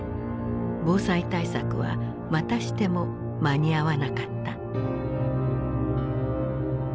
防災対策はまたしても間に合わなかった。